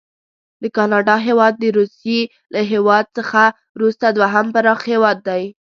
د کاناډا هیواد د روسي له هیواد څخه وروسته دوهم پراخ هیواد دی.